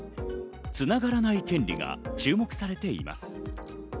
つながらない権利が注目されています。